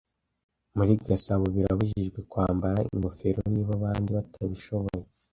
Muri gasabo birabujijwe kwambara Ingofero niba abandi batabishoboye